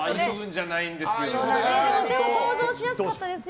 想像しやすかったですよ。